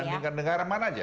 dibandingkan negara mana saja